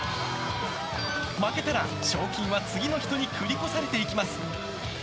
負けたら、賞金は次の人に繰り越されていきます。